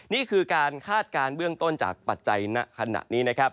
นี่คือการคาดการณ์เบื้องต้นจากปัจจัยณขณะนี้นะครับ